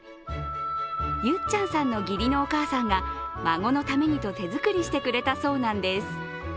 ゆっちゃんさんの義理のお母さんが孫のためにと手作りしてくれたそうなんです。